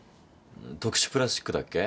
特殊プラスチックだっけ？